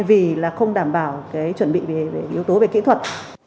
vì là không đảm bảo cái chuẩn bị về yếu tố về kỹ thuật